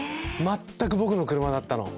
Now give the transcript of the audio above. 全く僕の車だったの！